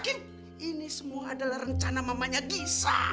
gue yakin ini semua adalah rencana mamanya gizka